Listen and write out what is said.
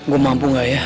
gue mampu gak ya